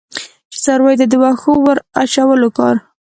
چې څارویو ته د وښو د ور اچولو کار.